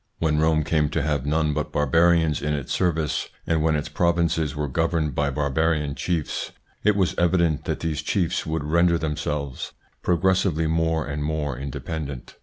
When Rome came to have none but Barbarians in its service, and when its provinces were governed by barbarian chiefs, it was evident that these chiefs would render themselves progressively more and more independent.